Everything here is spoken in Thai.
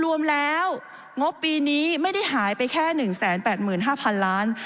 รวมแล้วงบปีนี้ไม่ได้หายไปแค่๑๘๕๐๐๐ล้าน